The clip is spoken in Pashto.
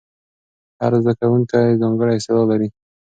هر زده کوونکی ځانګړی استعداد لري.